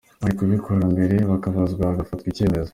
Bari kubikora mbere, bakabazwa hagafatwa icyemezo.